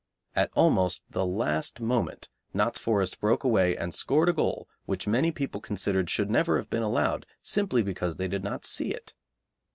At almost the last moment Notts Forest broke away and scored a goal which many people considered should never have been allowed, simply because they did not see it.